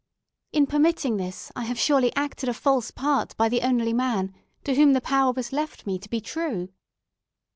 In permitting this I have surely acted a false part by the only man to whom the power was left me to be true!"